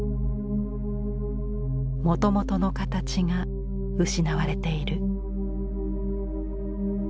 もともとの形が失われている。